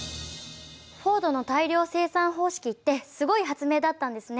フォードの大量生産方式ってすごい発明だったんですね。